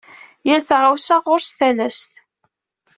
Yal taɣawsa ɣur-s talast.